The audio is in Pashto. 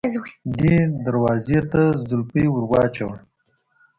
دې دروازې ته زولفی ور واچوه.